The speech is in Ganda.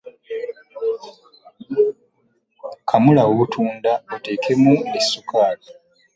Kamula obutunda oteekemu ne sukali.